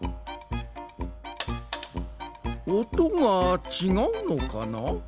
おとがちがうのかな？